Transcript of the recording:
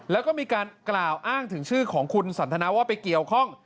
แล้วก็มีการกล่าวอ้างถึงชื่อของคุณสันทนาว่าไปเกี่ยวข้อง